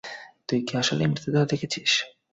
তুই কি আসলেই মৃতদেহ দেখেছিস?